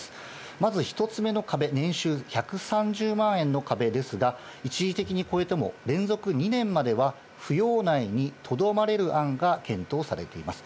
まず１つ目の壁、年収１３０万円の壁ですが、一時的に超えても、連続２年までは、扶養内にとどまれる案が検討されています。